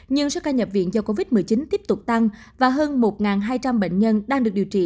nhưng số ca nhập viện do covid một mươi chín tiếp tục tăng và hơn một hai trăm linh bệnh nhân đang được điều trị